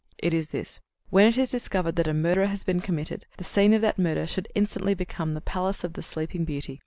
"It is this. When it is discovered that a murder has been committed, the scene of that murder should instantly become as the Palace of the Sleeping Beauty.